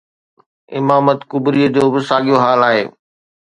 امامت ڪبريءَ جو به ساڳيو حال آهي.